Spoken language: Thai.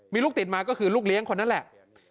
มีลูกติดมาก็คือลูกเลี้ยงคนนั้นแหละ